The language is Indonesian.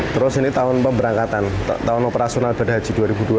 terus ini tahun pemberangkatan tahun operasional dan haji dua ribu dua puluh